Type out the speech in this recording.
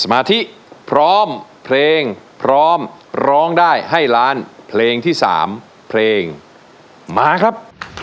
มาที่พร้อมเพลงพร้อมร้องได้ให้ล้านเพลงที่๓เพลงมาครับ